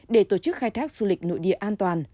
để tổ chức khai thác du lịch nội địa an toàn